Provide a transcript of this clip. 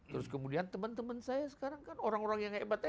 terus kemudian teman teman saya sekarang kan orang orang yang hebat hebat